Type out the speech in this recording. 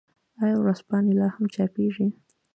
آیا ورځپاڼې لا هم چاپيږي؟